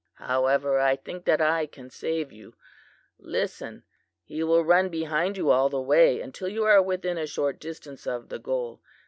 "'However, I think that I can save you listen! He will run behind you all the way until you are within a short distance of the goal.